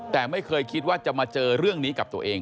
แต่ไม่เคยคิดว่าจะมาเจอเรื่องนี้กับตัวเอง